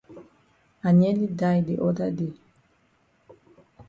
I nearly die de oda day.